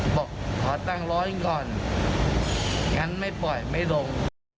บอกขอตั้งร้อยก่อนงั้นไม่ปล่อยไม่ลง